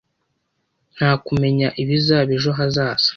Nta kumenya ibizaba ejo hazaza